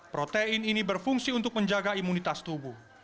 protein ini berfungsi untuk menjaga imunitas tubuh